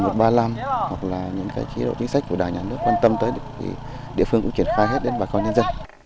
hoặc là những cái chế độ chính sách của đảng nhà nước quan tâm tới thì địa phương cũng triển khai hết đến bà con nhân dân